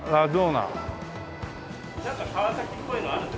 なんか川崎っぽいのあるんですかね？